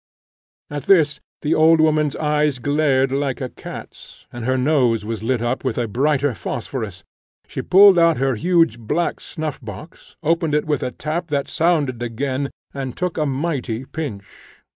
At this, the old woman's eyes glared like a cat's, and her nose was lit up with a brighter phosphorus. She pulled out her huge black snuff box, opened it with a tap that sounded again, and took a mighty pinch.